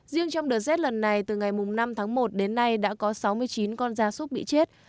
riêng trong đợt rét lần này từ ngày năm tháng một đến nay đã có sáu mươi chín con da súc bị chết